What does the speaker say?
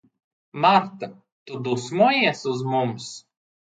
Marta, tu dusmojies uz mums?